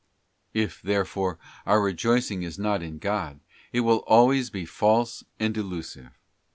'* If, therefore, our rejoicing is not in God, it will always be false and delusive.